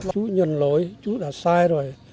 chú nhận lỗi chú đã sai rồi